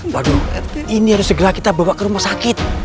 waduh ini harus segera kita bawa ke rumah sakit